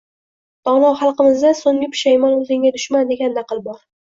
Dono xalqimizda “So‘nggi pushaymon o‘zingga dushman” degan naql bor.